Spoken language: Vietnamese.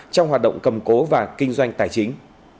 trong hoạt động cầm cố và kinh doanh tài chính